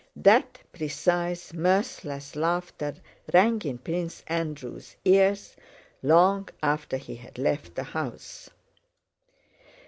That precise, mirthless laughter rang in Prince Andrew's ears long after he had left the house.